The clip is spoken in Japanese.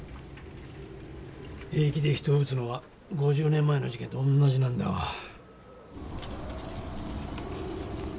平気で人を撃つのは５０年前の事件とおんなじなんだわ。